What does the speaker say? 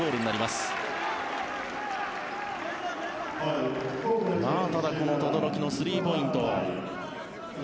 ただ、この轟のスリーポイント。